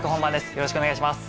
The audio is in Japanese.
よろしくお願いします